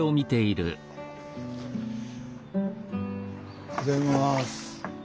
おはようございます。